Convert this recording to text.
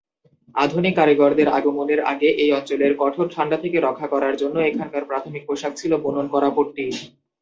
আধুনিক কারিগরদের আগমনের আগে, এই অঞ্চলের কঠোর ঠান্ডা থেকে রক্ষা করার জন্য এখানকার প্রাথমিক পোশাক ছিল বুনন করা পট্টি।